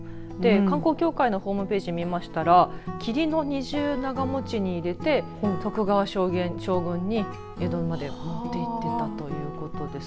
観光協会のホームページを見ましたら桐の二重長持ちに入れて徳川将軍家に江戸まで持っていったということです。